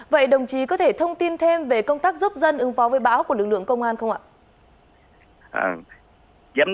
vậy đồng chí có thể thông tin thêm về công tác giúp dân ứng phó với bão của lực lượng công an không ạ